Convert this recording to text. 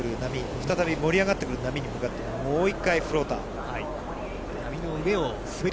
再び盛り上がってくる波に向かって、もう１回、フローター。